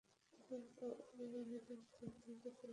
এখন তো আমারো ভয় লাগা শুরু হয়েছে!